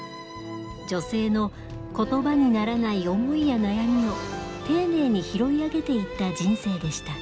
女性の言葉にならない思いや悩みを丁寧に拾い上げていった人生でした。